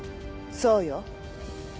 そうよ。